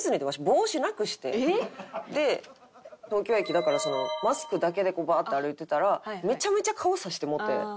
えっ？で東京駅だからマスクだけでこうバーって歩いてたらめちゃめちゃ顔さしてもうて。